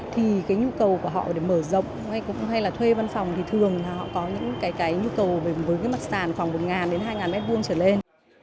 thì cái nhu cầu của họ để mở rộng hay là thuê văn phòng thì thường là họ có những cái nhu cầu về cái mặt sàn khoảng một đến hai m hai trở lên